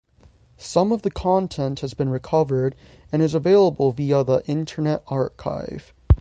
Some of the content has been recovered and is available via the Internet Archive.